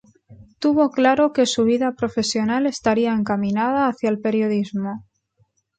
Tuvo claro que su vida profesional estaría encaminada hacia el periodismo.